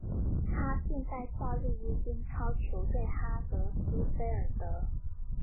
他现在效力于英超球队哈德斯菲尔德。